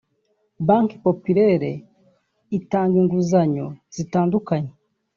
Banki Populaire itanga inguzanyo zitandukanye